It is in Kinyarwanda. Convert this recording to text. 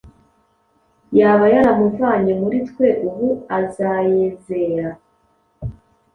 Yaba yaramuvanye muri twe ubu azaezera